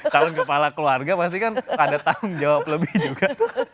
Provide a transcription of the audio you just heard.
calon kepala keluarga pasti kan ada tanggung jawab lebih juga